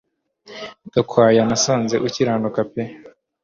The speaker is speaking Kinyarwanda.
Gakwaya nasanze ukiranuka pee